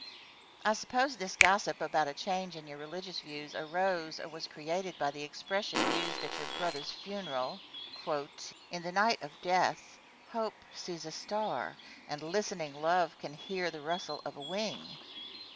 Question. I suppose this gossip about a change in your religious views arose or was created by the expression used at your brother's funeral, "In the night of death hope sees a star and listening love can hear the rustle of a wing"?